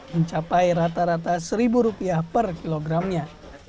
mencapai rata rata rp satu per kilogramnya